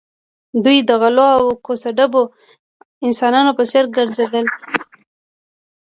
دوی د غلو او کوڅه ډبو انسانانو په څېر ګرځېدل